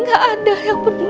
nggak ada yang mau menemani nenek